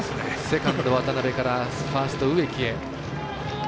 セカンド、渡辺からファーストの植木へ。